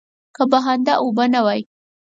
که بهانده اوبه نه وای.